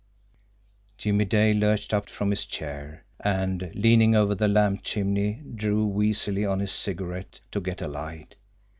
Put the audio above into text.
Jimmie Dale lurched up from his chair, and, leaning over the lamp chimney, drew wheezily on his cigarette to get a light.